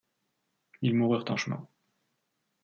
Ils moururent en chemin.